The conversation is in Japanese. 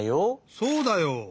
そうだよ！